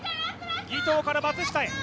儀藤から松下へ。